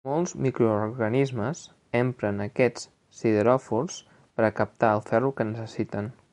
Molts microorganismes empren aquests sideròfors per a captar el ferro que necessiten.